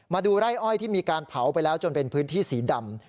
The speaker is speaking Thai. มาดูไร่อ้อยที่มีการเผาไปแล้วจนเป็นพื้นที่สีดำ